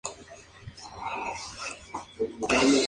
La semana siguiente en "Raw", Daivari derrotó a Tozawa por abandono.